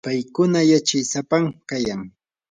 paykuna yachay sapam kayan.